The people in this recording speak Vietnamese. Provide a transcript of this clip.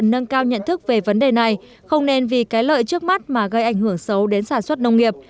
người dân cần nâng cao nhận thức về vấn đề này không nên vì cái lợi trước mắt mà gây ảnh hưởng xấu đến sản xuất nông nghiệp